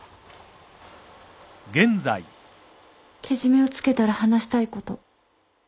けじめをつけたら話したいこと。